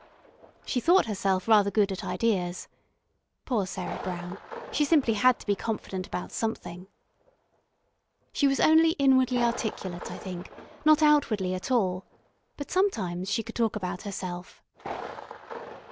She thought herself rather good at ideas poor Sarah Brown, she simply had to be confident about something. She was only inwardly articulate, I think, not outwardly at all, but sometimes she could talk about herself.